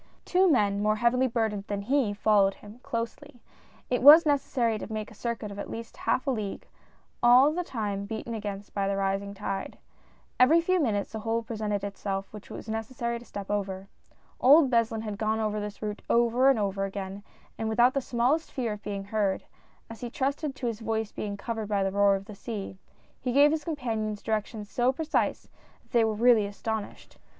Two men, more heavily burdened than he, followed him, closely. It was necessary to make a circuit of at least a half league, all the time beaten against by the rising tide. Every few minutes a hole presented itself which it was necessary to step over. Old Beslin had gone over this route over and over again; and without the smallest fear of being heard — as he trusted to his voice being covered by the roar of the sea — he gave his companions directions so precise, that they were really astonished.